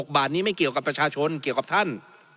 บาทนี้ไม่เกี่ยวกับประชาชนเกี่ยวกับท่าน